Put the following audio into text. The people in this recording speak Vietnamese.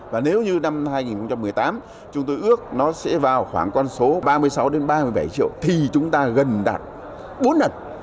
và nếu như năm hai nghìn một mươi tám chúng tôi ước nó sẽ vào khoảng con số ba mươi sáu ba mươi bảy triệu thì chúng ta gần đạt bốn lần